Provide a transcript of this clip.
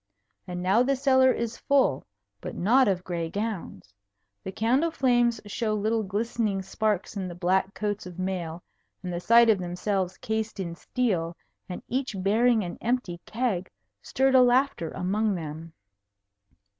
And now the cellar is full, but not of gray gowns. The candle flames show little glistening sparks in the black coats of mail, and the sight of themselves cased in steel, and each bearing an empty keg, stirred a laughter among them.